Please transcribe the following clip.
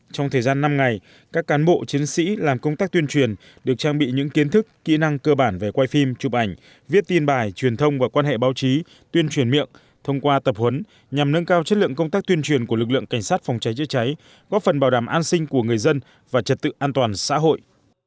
trong thời gian năm ngày các cán bộ chiến sĩ làm công tác tuyên truyền được trang bị những kiến thức kỹ năng cơ bản về quay phim chụp ảnh viết tin bài truyền thông và quan hệ báo chí tuyên truyền miệng thông qua tập huấn nhằm nâng cao chất lượng công tác tuyên truyền của lực lượng cảnh sát phòng cháy chữa cháy góp phần bảo đảm an sinh của người dân và trật tự an toàn xã hội